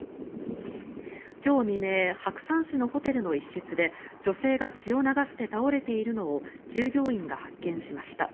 今日未明白山市のホテルの一室で女性が血を流して倒れているのを従業員が発見しました。